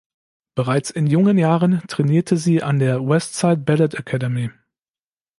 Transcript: Bereits in jungen Jahren trainierte sie an der Westside Ballet Academy.